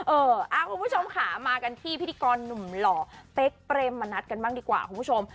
คุณผู้ชมค่ะมากันที่พิธีกรหนุ่มหล่อเป๊กเปรมมณัฐกันบ้างดีกว่าคุณผู้ชม